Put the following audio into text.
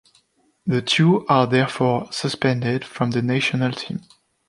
The two are therefore suspended from the National team.